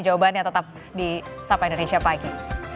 jawabannya tetap di sapa indonesia pagi